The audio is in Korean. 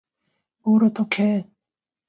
뭘 어떡해?